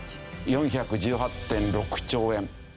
４１８．６兆円。